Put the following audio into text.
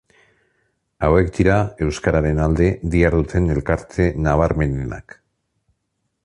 Hauek dira euskararen alde diharduten elkarte nabarmenenak.